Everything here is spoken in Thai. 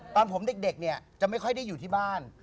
ตอนผมเด็กเนี่ยจะไม่ค่อยได้อยู่ที่บ้าน